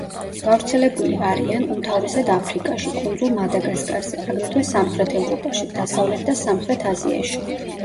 გავრცელებული არიან უმთავრესად აფრიკაში, კუნძულ მადაგასკარზე, აგრეთვე სამხრეთ ევროპაში, დასავლეთ და სამხრეთ აზიაში.